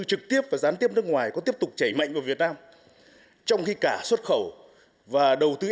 trực tiếp và gián tiếp nước ngoài có tiếp tục chảy mạnh vào việt nam trong khi cả xuất khẩu và đầu tư